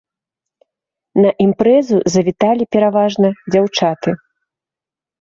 На імпрэзу завіталі пераважна дзяўчаты.